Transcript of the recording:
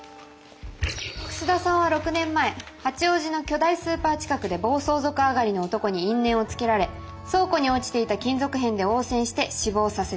楠田さんは６年前八王子の巨大スーパー近くで暴走族上がりの男に因縁をつけられ倉庫に落ちていた金属片で応戦して死亡させた。